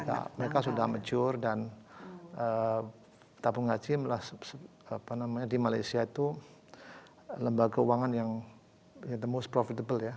nah mereka sudah major dan tabung haji di malaysia itu lembaga keuangan yang the most profitable ya